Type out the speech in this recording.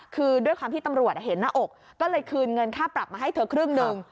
ก็เลยคืนเงินค่าปรับมาให้เธอครึ่งหนึ่ง